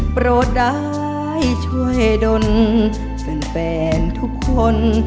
โปรดได้ช่วยดนเพื่อนแฟนทุกคน